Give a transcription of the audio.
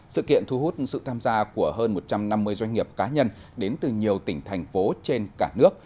sự kiện thu hút sự tham gia của hơn một trăm năm mươi doanh nghiệp cá nhân đến từ nhiều tỉnh thành phố trên cả nước